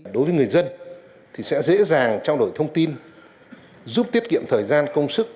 đối với người dân thì sẽ dễ dàng trao đổi thông tin giúp tiết kiệm thời gian công sức